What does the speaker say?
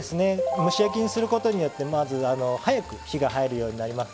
蒸し焼きにすることによってまず早く火が入るようになります。